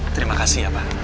terima kasih ya pak